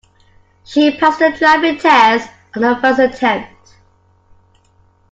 She passed her driving test on her first attempt.